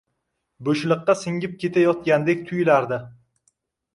bo‘shliqqa singib ketayotgandek tuyulardi